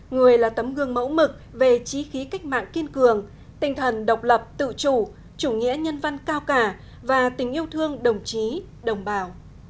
người là tấm gương mẫu mực về trí khí cách mạng kiên cường tinh thần độc lập tự chủ chủ nghĩa nhân văn cao cả và tình yêu thương đồng chí đồng bào